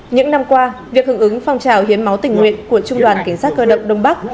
những năm qua việc hưởng ứng phong trào hiến máu tình nguyện của trung đoàn cảnh sát cơ động đông bắc